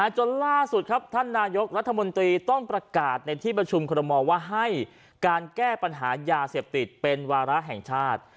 จนล่าสุดครับท่านนายกรัฐมนตรีต้องประกาศในที่ประชุมคอรมอลว่าให้การแก้ปัญหายาเสพติดเป็นวาระแห่งชาติ